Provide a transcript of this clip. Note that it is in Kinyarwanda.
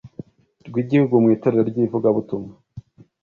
Rw igihugu mw itorero ry ivugabutumwa